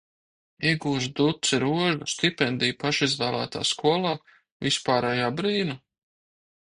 Iegūst duci rožu, stipendiju pašizvēlētā skolā, vispārēju apbrīnu?